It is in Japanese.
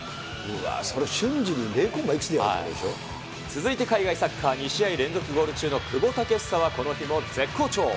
それ瞬時に０コンマいくつで続いて海外サッカー、２試合連続ゴール中の久保建英はこの日も絶好調。